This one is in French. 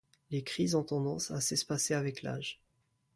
Les crises ont tendance à s'espacer avec l'âge.